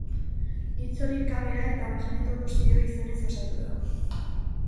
Hitz hori kamera eta magnetoskopio izenez osatu da.